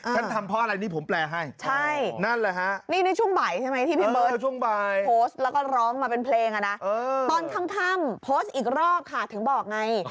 ฉันทำเพราะอะไรนี่ผมแปลให้